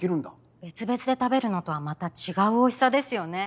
別々で食べるのとはまた違うおいしさですよね？